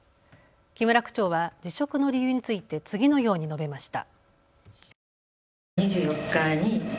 木村区長は辞職の理由について次のように述べました。